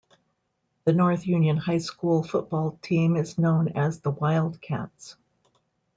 The North Union High School football team is known as the Wildcats.